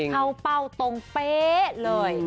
เข้าเป้าตรงเป๊ะเลย